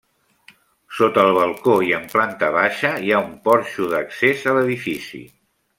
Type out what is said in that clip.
Sota el balcó i en planta baixa hi ha un porxo d'accés a l'edifici.